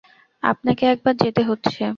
আপনাকে একবার যেতে হচ্ছে।